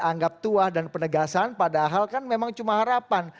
anggap tuah dan penegasan padahal kan memang cuma harapan